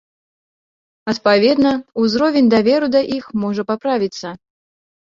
Адпаведна, узровень даверу да іх можа паправіцца.